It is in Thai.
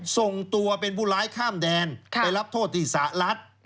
ส่งตัวเป็นผู้ร้ายข้ามแดนไปรับโทษที่สหรัฐ